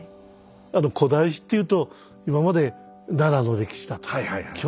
あと古代史っていうと今まで奈良の歴史だとか京都の歴史